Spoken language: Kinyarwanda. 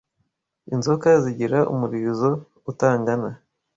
Inzoka zigira umurizo utangana